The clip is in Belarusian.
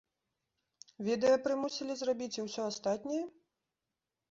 Відэа прымусілі зрабіць і ўсё астатняе?